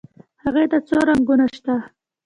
هغې ته څو رنګونه شته.